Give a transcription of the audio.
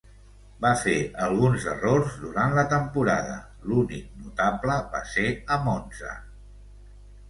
Va fer alguns errors durant la temporada, l'únic notable va ser a Monza.